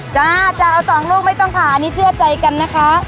จ้าสองลูกไม่ต้องผ่าอันนี้เชื่อใจกันนะคะ